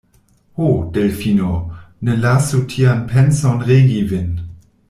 Ho, Delfino, ne lasu tian penson regi vin!